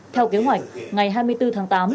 theo kế hoạch ngày hai mươi bốn tháng tám